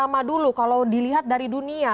sama dulu kalau dilihat dari dunia